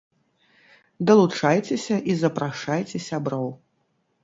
Далучайцеся і запрашайце сяброў!